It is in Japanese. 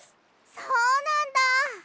そうなんだ！